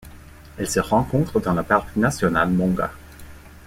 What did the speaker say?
Elle se rencontre dans le parc national Monga.